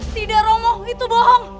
tidak itu bohong